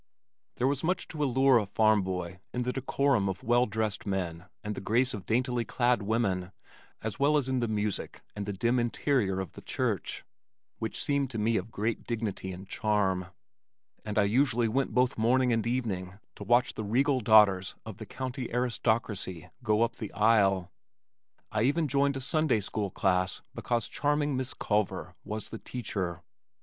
There was much to allure a farmer boy in the decorum of well dressed men and the grace of daintily clad women as well as in the music and the dim interior of the church (which seemed to me of great dignity and charm) and I usually went both morning and evening to watch the regal daughters of the county aristocracy go up the aisle. I even joined a Sunday school class because charming Miss Culver was the teacher.